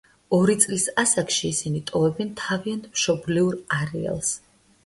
ორი წლის ასაკში ისინი ტოვებენ თავიანთ მშობლიურ არეალს.